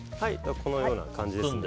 このような感じですね。